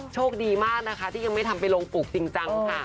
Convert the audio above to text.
โชคดีมากนะคะที่ยังไม่ทำไปลงปลูกจริงจังค่ะ